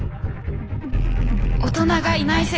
大人がいない世界。